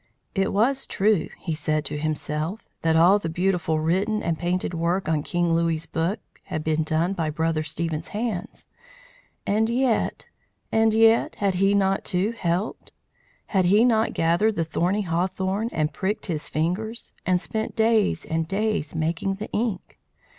It was true, he said to himself, that all the beautiful written and painted work on King Louis's book had been done by Brother Stephen's hands, and yet, and yet, had not he, too, helped? Had he not gathered the thorny hawthorn, and pricked his fingers, and spent days and days making the ink?